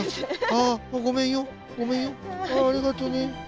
ありがとね。